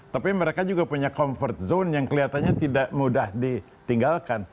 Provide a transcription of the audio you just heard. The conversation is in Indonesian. tapi mereka juga punya comfort zone yang kelihatannya tidak mudah ditinggalkan